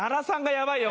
やばいよ！